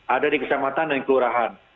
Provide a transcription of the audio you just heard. ada di kesamatan dan di kelurahan